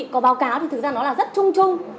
có báo cáo thì thực ra nó là rất chung chung